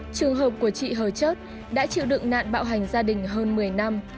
trường hợp của chị hầu chất đã chịu đựng nạn bạo hành gia đình hơn một mươi năm